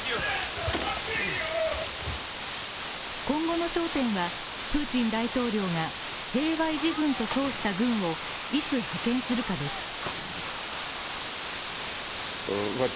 今後の焦点はプーチン大統領が平和維持軍と称した軍をいつ派遣するかです。